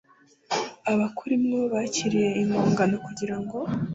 abakurimo bakiriye impongano kugira ngo